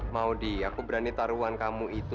maudie aku berani taruhan kamu itu